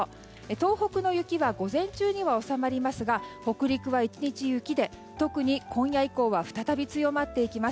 東北の雪は午前中には収まりますが北陸は１日雪で特に今夜以降は再び強まっていきます。